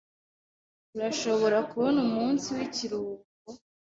Urashobora kubona umunsi w'ikiruhuko?